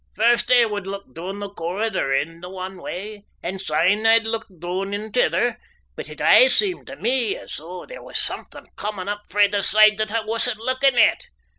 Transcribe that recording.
First I would look doon the corridor in the one way, and syne I'd look doon in t'ither, but it aye seemed to me as though there was something coming up frae the side that I wasna lookin' at.